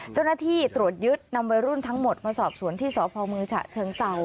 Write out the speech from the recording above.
เจ้าหน้าที่ตรวจยึดนำวัยรุ่นทั้งหมดมาสอบสวนที่สพเมืองฉะเชิงเศร้า